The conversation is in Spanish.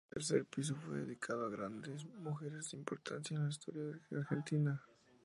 El tercer piso fue dedicado a grandes mujeres de importancia en la historia argentina.